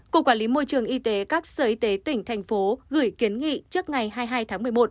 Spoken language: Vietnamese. cục quản lý môi trường y tế các sở y tế tỉnh thành phố gửi kiến nghị trước ngày hai mươi hai tháng một mươi một